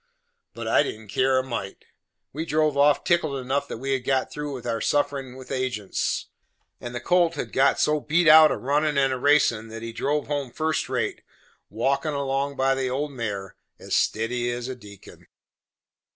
But I didn't care a mite; we drove off tickled enough that we had got through with our sufferin's with agents. And the colt had got so beat out a runnin' and racin', that he drove home first rate, walkin' along by the old mare as stiddy as a deacon.